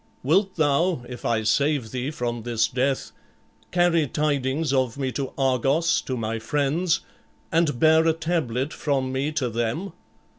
Wilt thou, if I save thee from this death, carry tidings of me to Argos to my friends and bear a tablet from me to them?